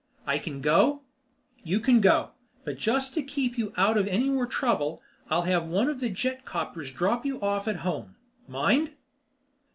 "I can go?" "You can go. But just to keep you out of any more trouble, I'll have one of the jetcopters drop you off at home. Mind?"